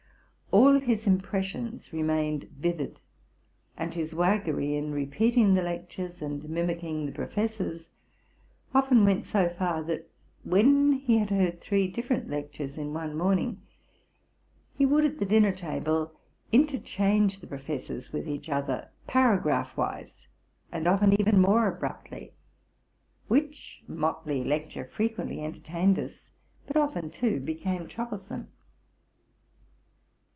All his impressions remained vivid; and his waggery in repeating the lectures and mimicking the professors often went so far, that, when he had heard three different lectures in one morning, he would, at the dinner table, interchange 298 TRUTH AND FICTION the professors with each other, paragraphwise, and often even more abruptly, which motley lecture frequently enter tained us, but often, too, became troublesome.